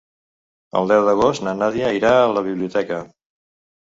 El deu d'agost na Nàdia irà a la biblioteca.